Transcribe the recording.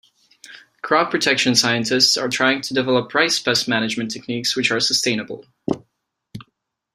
Crop protection scientists are trying to develop rice pest management techniques which are sustainable.